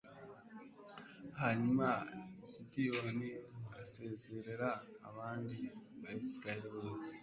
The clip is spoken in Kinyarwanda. hanyuma gideyoni asezerera abandi bayisraheli bose